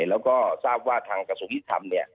แล้วก็ทราบว่าทางกระสุนวิทย์ธรรม